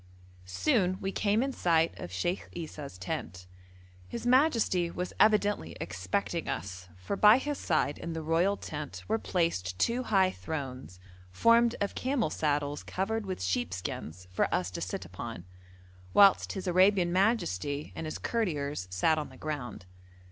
Soon we came in sight of Sheikh Esau's tent; his majesty was evidently expecting us, for by his side in the royal tent were placed two high thrones, formed of camel saddles covered with sheepskins, for us to sit upon, whilst his Arabian majesty and his courtiers sat on the ground.